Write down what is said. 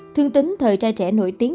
thương tính thời trai trẻ nổi tiếng